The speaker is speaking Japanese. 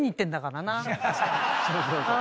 そうそうそう。